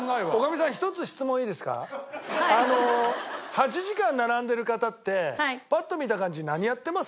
８時間並んでる方ってパッと見た感じ何やってます？